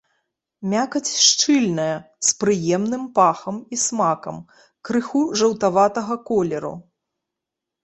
Мякаць шчыльная, з прыемным пахам і смакам, крыху жаўтаватага колеру.